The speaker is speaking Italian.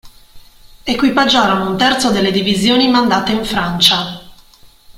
Equipaggiarono un terzo delle divisioni mandate in Francia.